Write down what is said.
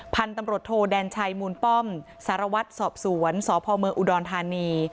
พันธุ์ตำรวจโทแดนชัยมูลป้อมสารวัตรสอบสวนสพเมืองอุดรธานี